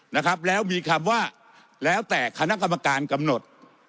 นะครับแล้วมีคำว่าแล้วแต่คณะกรรมการกำหนด